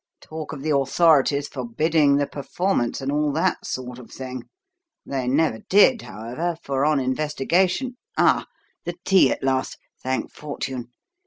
Talk of the authorities forbidding the performance, and all that sort of thing. They never did, however, for on investigation Ah, the tea at last, thank fortune.